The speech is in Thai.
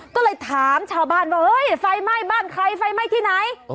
ก็เลยถามชาวบ้านว่าเฮ้ยไฟไหม้บ้านใครไฟไหม้ที่ไหน